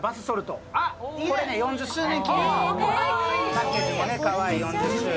パッケージもかわいい４０周年。